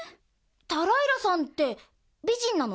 タライラさんってびじんなの？